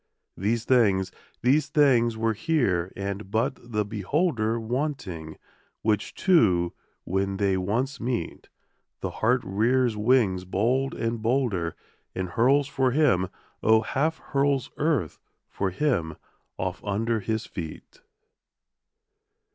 These things, these things were here and but the beholder Wanting; which two when they once meet, The heart rears wings bold and bolder And hurls for him, O half hurls earth for him off under his feet.